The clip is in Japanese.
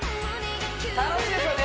楽しいですよね